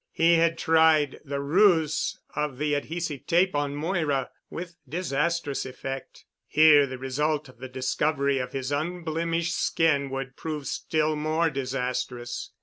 He had tried the ruse of the adhesive tape on Moira with disastrous effect. Here the result of the discovery of his unblemished skin would prove still more disastrous.